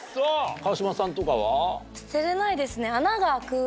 川島さんとかは？